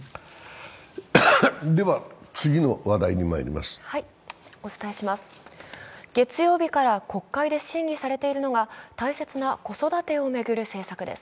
では、次の話題にまいります月曜日から国会で審議されているのが大切な子育てを巡る政策です。